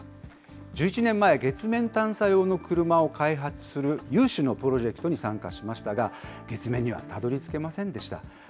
１１年前、月面探査用の車を開発する有志のプロジェクトに参加しましたが、月面にはたどりつけませんでした。